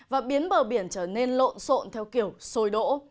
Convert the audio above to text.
và biến bờ biển trở nên lộn xộn theo kiểu sôi đỗ